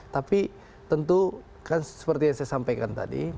tapi tentu kan seperti yang saya sampaikan tadi